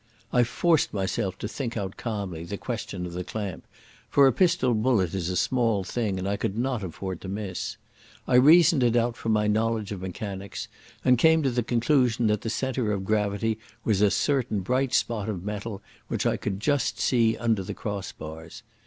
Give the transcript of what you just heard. I forced myself to think out calmly the question of the clamp, for a pistol bullet is a small thing, and I could not afford to miss. I reasoned it out from my knowledge of mechanics, and came to the conclusion that the centre of gravity was a certain bright spot of metal which I could just see under the cross bars.